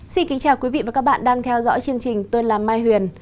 xin kính chào quý vị và các bạn đang theo dõi chương trình tôi là mai huyền